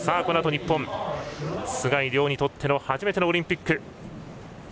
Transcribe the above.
このあと日本、須貝龍にとっての初めてのオリンピック。